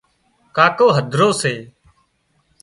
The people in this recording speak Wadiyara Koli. ڪاڪو هڌرو سي